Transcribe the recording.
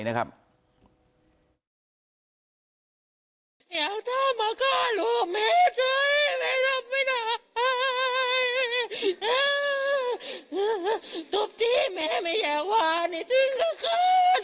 อ่าทุบที่แม่มังอยากว่าต้องขาด